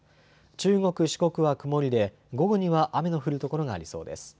中国、四国は曇りで午後には雨の降る所がありそうです。